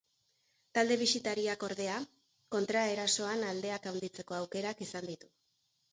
Talde bisitariak, ordea, kontraersoan aldeak handitzeko aukerak izan ditu.